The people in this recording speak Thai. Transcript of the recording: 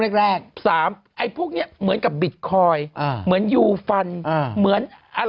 อึกอึกอึกอึกอึกอึกอึกอึกอึกอึก